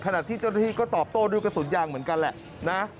ขณะที่เจ้าหน้าที่ก็ตอบโต้ด้วยกระสุนยางเหมือนกันแหละนะ